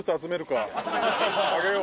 あげよう。